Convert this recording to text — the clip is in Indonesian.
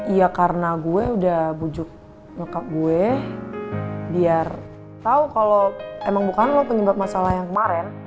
iya karena gue udah bujuk nyekap gue biar tau kalau emang bukan lo penyebab masalah yang kemarin